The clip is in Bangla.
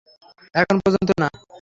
এখনো পর্যন্ত না।